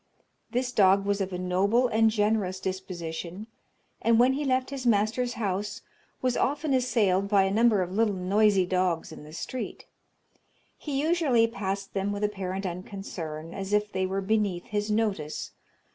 This dog was of a noble and generous disposition, and when he left his master's house was often assailed by a number of little noisy dogs in the street. He usually passed them with apparent unconcern, as if they were beneath his notice.